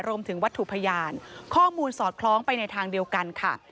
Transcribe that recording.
รวมถึงวัตถุพยานข้อมูลสอดคล้องไปในทางเดียวกันค่ะ